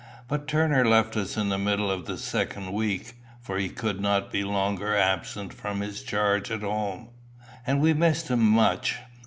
But Turner left us in the middle of the second week, for he could not be longer absent from his charge at home, and we missed him much.